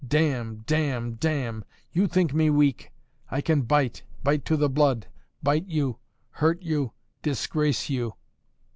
Damn, damn, damn! You think me weak! I can bite, bite to the blood, bite you, hurt you, disgrace you